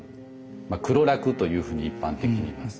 黒樂というふうに一般的に言います。